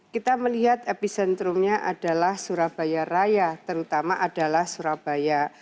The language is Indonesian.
kita melihat epicentrumnya adalah surabaya raya terutama adalah surabaya